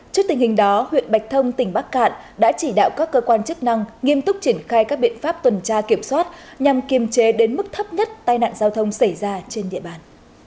trước tình hình đó huyện bạch thông tỉnh bắc cạn đã chỉ đạo các cơ quan chức năng nghiêm túc triển khai các biện pháp tuần tra kiểm soát nhằm kiềm chế đến mức thấp nhất tai nạn giao thông xảy ra trên địa bàn